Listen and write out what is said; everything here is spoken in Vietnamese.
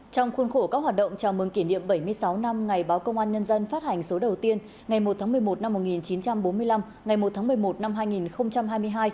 trong khuôn khổ các hoạt động chào mừng kỷ niệm bảy mươi sáu năm ngày báo công an nhân dân phát hành số đầu tiên ngày một tháng một mươi một năm một nghìn chín trăm bốn mươi năm ngày một tháng một mươi một năm hai nghìn hai mươi hai